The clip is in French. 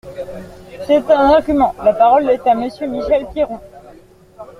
C’est un argument ! La parole est à Monsieur Michel Piron.